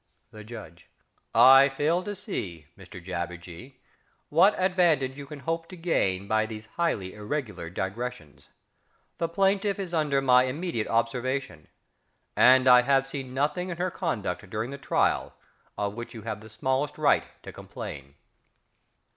The Judge. I fail to see, Mr JABBERJEE, what advantage you can hope to gain by these highly irregular digressions. The plaintiff is under my immediate observation, and I have seen nothing in her conduct during the trial of which you have the smallest right to complain.